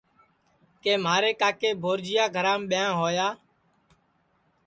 کہ مہارے کاکے بھورجیا گھرام بیاں ہویا